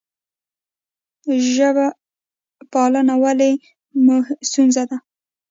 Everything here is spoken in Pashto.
ژب پالنه ولې ستونزه ده؟